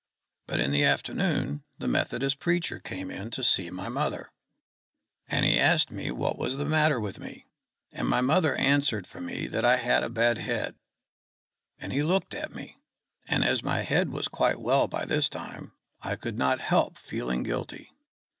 But in the afternoon the Methodist preacher came in to see my mother, and he asked me what was the matter with me, and my mother answered for me that I had a bad head, and he looked at me; and as my head was quite well by this time, I could not help feeling guilty.